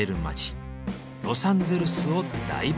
ロサンゼルスを大冒険！